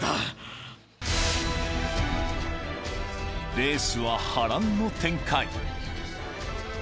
［レースは波乱の展開］